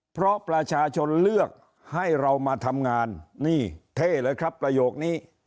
เพราะประชาชนเลือกให้เรามาทำงานนี่เท่เลยครับประโยคนี้